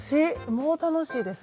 もう楽しいです。